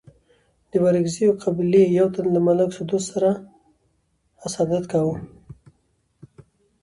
د بارکزيو قبيلي يو تن له ملک سدو سره حسادت کاوه.